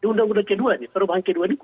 undang undang kedua ini perubahan kedua ini